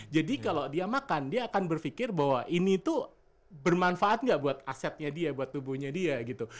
jadi kalau dia makan dia akan berpikir bahwa ini tuh bermanfaat gak buat asetnya dia buat tubuhnya dia gitu